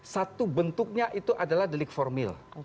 satu bentuknya itu adalah delik formil